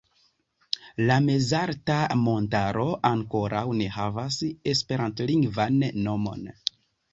La mezalta montaro ankoraŭ ne havas esperantlingvan nomon.